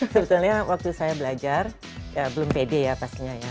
sebetulnya waktu saya belajar belum pede ya pastinya ya